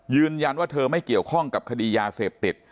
ยืนยันว่าเธอไม่เกี่ยวข้องกับคดียาเสพติด